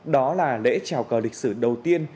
đó là lễ trào cờ lịch sử đầu tiên